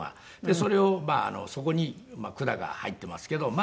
それをそこに管が入っていますけど。